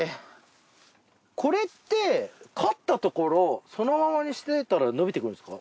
これって刈ったところそのままにしてたら伸びてくるんすか？